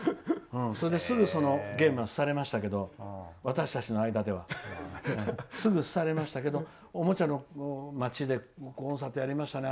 すぐゲームはすたれましたけど私たちの間ではすぐ廃れましたけどもおもちゃのまちでコンサートをやりましたね。